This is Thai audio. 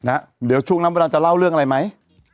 เดี๋ยวช่วงนั้นเวลาจะเล่าเรื่องอะไรไหม